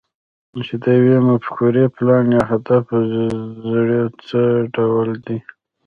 چې د يوې مفکورې، پلان، يا هدف زړی څه ډول دی؟